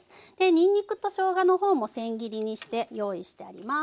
にんにくとしょうがのほうもせん切りにして用意してあります。